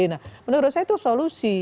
nah menurut saya itu solusi